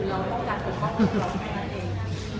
เราต้องการปกป้องคนร้องการเอง